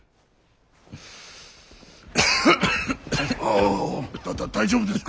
あぁ大丈夫ですか。